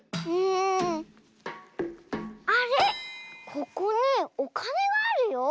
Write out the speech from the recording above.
ここにおかねがあるよ。